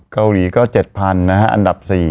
เกาหลีก็๗๐๐นะฮะอันดับ๔